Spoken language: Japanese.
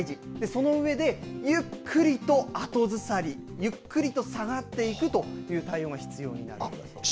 その上で、ゆっくりと後ずさり、ゆっくりと下がっていくという対応が必要になるんだそうです。